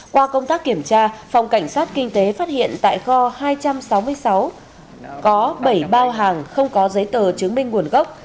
qua công tác kiểm tra phòng cảnh sát kinh tế phát hiện tại kho hai trăm sáu mươi sáu có bảy bao hàng không có giấy tờ chứng minh nguồn gốc